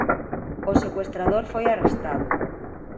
O secuestrador foi arrestado.